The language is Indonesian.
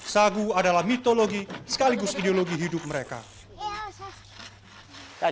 sagu adalah mitologi sekaligus ideologi hidup mereka